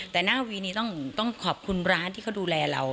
แต่หน้าวีนี้ต้องขอบคุณร้านที่เขาดูแลเรา